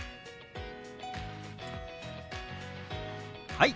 はい！